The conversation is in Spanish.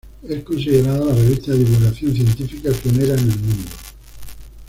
Es considerada la revista de divulgación científica pionera en el mundo.